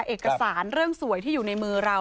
เอกสารเรื่องสวยที่อยู่ในมือเรา